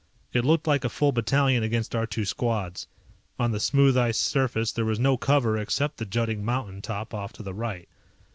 It looked like a full battalion against our two squads. On the smooth ice surface there was no cover except the jutting mountain top off to the right.